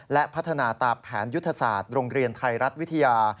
และพัฒนาตามแผนยุทธศาสตร์โรงเรียนไทยรัฐวิทยา